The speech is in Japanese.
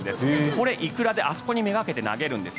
これ、イクラであそこにめがけて投げるんです。